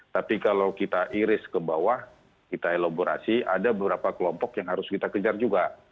tapi kalau kita iris ke bawah kita elaborasi ada beberapa kelompok yang harus kita kejar juga